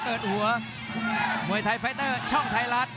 เดินหัวมวยไทยไฟเตอร์ช่องไทยรัฐ